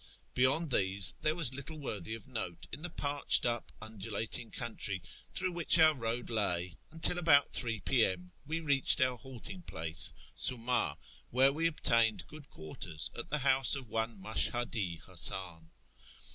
Beyond tliese there was little worthy of note in the parched up undulating country through which our road lav, until, about ?> P.M., we reached our halting place, Suma, wdiere we obtained good quarters at the house of one Mashhadi Hasan.